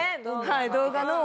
はい動画の。